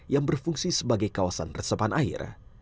yang berfungsi sebagai kawasan resepan air